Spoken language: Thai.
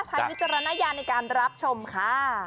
วิจารณญาณในการรับชมค่ะ